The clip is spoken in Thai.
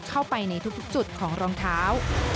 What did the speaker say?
เข้าไปในทุกจุดของรองเท้า